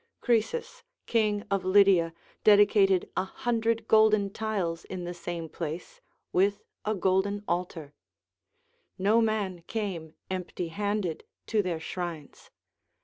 Croesus, king of Lydia dedicated a hundred golden tiles in the same place with a golden altar: no man came empty handed to their shrines.